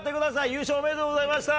優勝おめでとうございました。